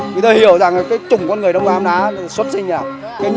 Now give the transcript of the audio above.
người ta hiểu rằng cái chủng con người đông nam đá xuất sinh như thế nào